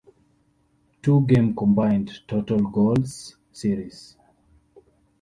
Two game combined total goals series.